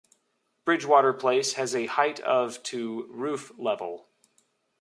Bridgewater Place has a height of to roof level.